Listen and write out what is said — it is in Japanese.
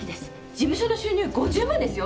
事務所の収入５０万ですよ。